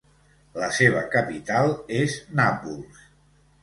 La seva capital és Nàpols.